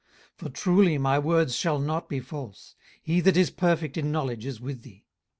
18:036:004 For truly my words shall not be false: he that is perfect in knowledge is with thee.